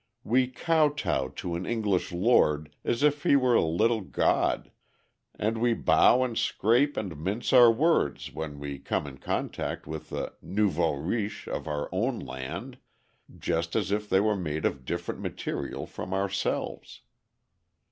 We "kow tow" to an English lord as if he were a little god, and we bow and scrape and mince our words when we come in contact with the nouveau riche of our own land, just as if they were made of different material from ourselves.